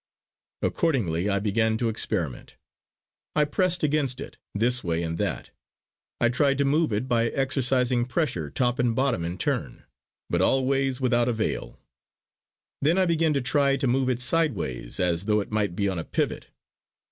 Accordingly I began to experiment. I pressed against it, this way and that. I tried to move it by exercising pressure top and bottom in turn; but always without avail. Then I began to try to move it sideways as though it might be on a pivot.